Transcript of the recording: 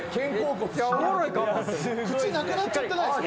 ・口なくなっちゃってないですか？